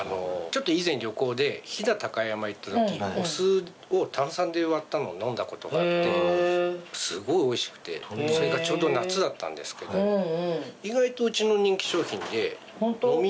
以前旅行で飛騨高山へ行ったときお酢を炭酸で割ったのを飲んだことがあってすごいおいしくてそれがちょうど夏だったんですけど意外とうちの。